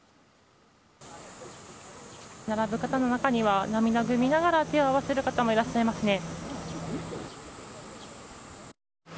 並ぶ方の中には涙ぐみながら手を合わせている方もいらっしゃいますね。